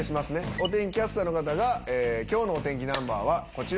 お天気キャスターの方が今日のお天気ナンバーはこちら！